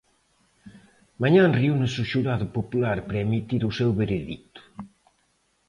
Mañá reúnese o xurado popular para emitir o seu veredicto.